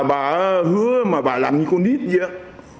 bà hứa mà bà làm như con nít vậy